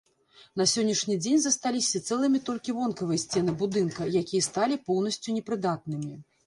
На сённяшні дзень засталіся цэлымі толькі вонкавыя сцены будынка, якія сталі поўнасцю непрыдатнымі.